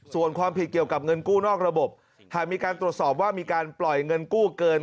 ส่วนความผิดเกี่ยวกับเงินกู้นอกระบบหากมีการตรวจสอบว่ามีการปล่อยเงินกู้เกิน